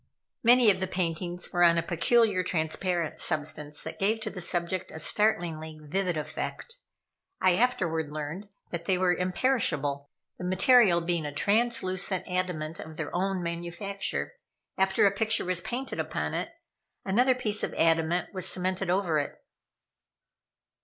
Many of the paintings were on a peculiar transparent substance that gave to the subject a startlingly vivid effect. I afterward learned that they were imperishable, the material being a translucent adamant of their own manufacture. After a picture was painted upon it, another piece of adamant was cemented over it.